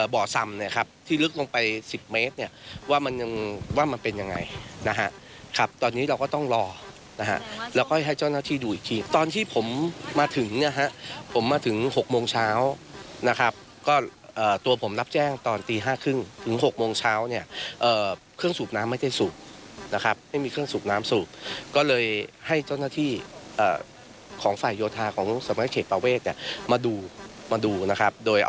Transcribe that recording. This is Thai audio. บ่อซ่ำเนี่ยครับที่ลึกลงไปสิบเมตรเนี่ยว่ามันยังว่ามันเป็นยังไงนะฮะครับตอนนี้เราก็ต้องรอนะฮะแล้วก็ให้เจ้าหน้าที่ดูอีกทีตอนที่ผมมาถึงเนี่ยฮะผมมาถึงหกโมงเช้านะครับก็เอ่อตัวผมรับแจ้งตอนตีห้าครึ่งถึงหกโมงเช้าเนี่ยเอ่อเครื่องสูบน้ำไม่ได้สูบนะครับไม่มีเครื่องสูบน้ำสูบก็เลย